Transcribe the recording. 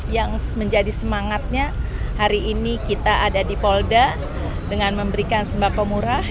yang menjadi semangatnya hari ini kita ada di polda dengan memberikan sembako murah